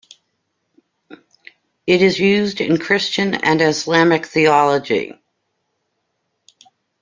It is used in Christian and Islamic theology.